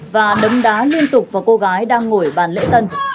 và đấm đá liên tục vào cô gái đang ngồi bàn lễ tân